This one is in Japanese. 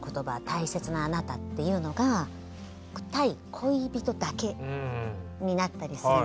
「大切なあなた」っていうのが対恋人だけになったりする。